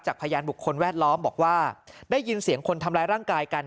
พยานบุคคลแวดล้อมบอกว่าได้ยินเสียงคนทำร้ายร่างกายกัน